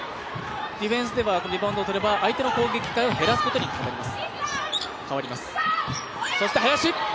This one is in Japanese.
ディフェンスではボールをとれば相手の攻撃機会を減らすことになります。